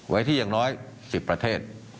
ไว้ที่อย่างน้อย๑๐ประเทศ